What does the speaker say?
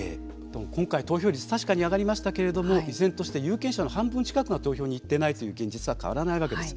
今回投票率確かに上がりましたけれども依然として有権者の半分近くが投票に行っていないという現実は変わらないわけです。